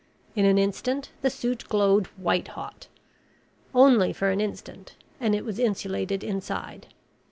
In an instant, the suit glowed white hot. Only for an instant, and it was insulated inside.